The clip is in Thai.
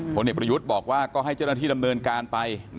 ผลเอกประยุทธ์บอกว่าก็ให้เจ้าหน้าที่ดำเนินการไป